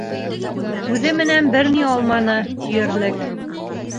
Үҙе менән бер ни алманы, тиерлек.